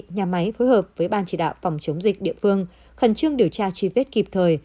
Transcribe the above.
nhà máy phối hợp với ban chỉ đạo phòng chống dịch địa phương khẩn trương điều tra truy vết kịp thời